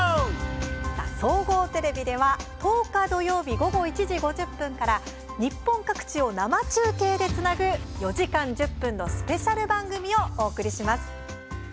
総合テレビでは、１０日土曜日、午後１時５０分から日本各地を生中継でつなぐ４時間１０分のスペシャル番組をお送りします。